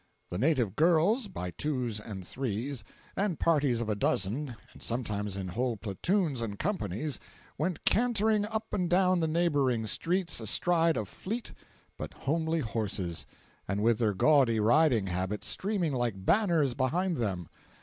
The native girls by twos and threes and parties of a dozen, and sometimes in whole platoons and companies, went cantering up and down the neighboring streets astride of fleet but homely horses, and with their gaudy riding habits streaming like banners behind them.